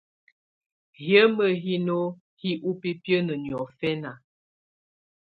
Hiǝ́mi hino hi ubibiǝ́nǝ niɔ̀fɛ̀na.